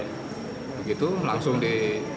begitu langsung di